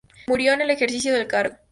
Murió en el ejercicio del cargo.